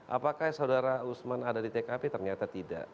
apakah saudara usman ada di tkp ternyata tidak